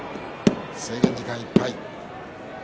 制限時間いっぱいです。